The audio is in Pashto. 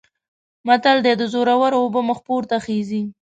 متل دی: د زورو اوبه مخ پورته خیژي.